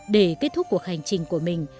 để kết thúc cuộc hành trình của mình